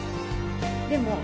でも。